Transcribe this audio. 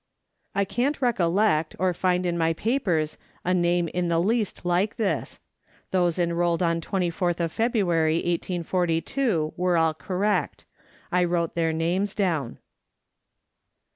I cannot recollect or find in my papers a name in the least like this ; those enrolled on 24th of February 1842, were all correct. I wrote their names down.